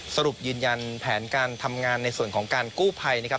สรุปยืนยันแผนการทำงานในส่วนของการกู้ภัยนะครับ